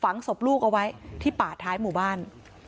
ศพลูกเอาไว้ที่ป่าท้ายหมู่บ้าน